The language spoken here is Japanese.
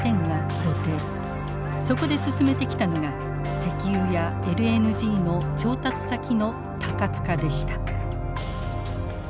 そこで進めてきたのが石油やＬＮＧの調達先の多角化でした。